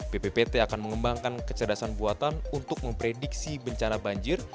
bppt akan mengembangkan kecerdasan buatan untuk memprediksi bencana banjir